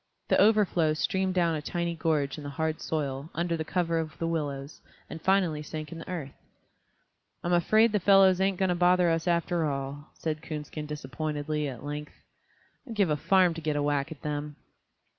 The overflow streamed down a tiny gorge in the hard soil, under cover of the willows, and finally sank in the earth. "I'm afraid the fellows ain't going to bother us after all," said Coonskin disappointedly, at length. "I'd give a farm to get a whack at them."